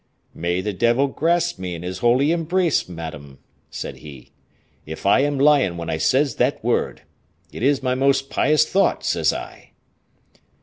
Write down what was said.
"May the devil grasp me in his holy embrace, madam," said he, "if I am lying when I says that word. It is my most pious thought, says I."